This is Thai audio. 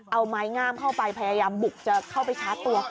เอาไม้งามเข้าไปพยายามบุกจะเข้าไปชาร์จตัว